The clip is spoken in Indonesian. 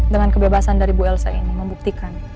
dengan kebebasan dari bu elsa ini membuktikan